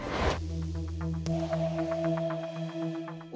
sampah apk di ruling facts